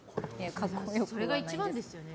それが一番ですよね。